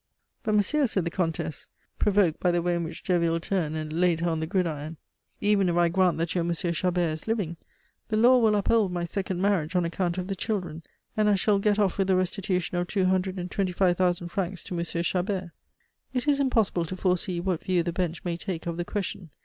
"But, monsieur," said the Comtesse, provoked by the way in which Derville turned and laid her on the gridiron, "even if I grant that your M. Chabert is living, the law will uphold my second marriage on account of the children, and I shall get off with the restitution of two hundred and twenty five thousand francs to M. Chabert." "It is impossible to foresee what view the Bench may take of the question.